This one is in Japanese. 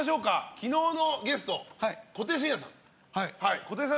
昨日のゲスト、小手伸也さん。